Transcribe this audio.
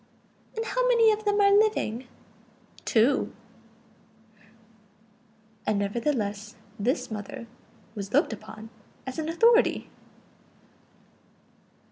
"And how many of them are living?" "Two." And nevertheless this mother was looked upon as an authority!